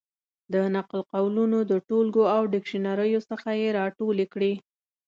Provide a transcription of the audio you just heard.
د نقل قولونو د ټولګو او ډکشنریو څخه یې را ټولې کړې.